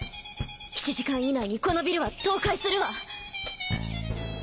１時間以内にこのビルは倒壊するわ。